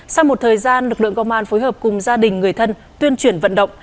sau một thời gian lực lượng công an phối hợp cùng gia đình người thân tuyên truyền vận động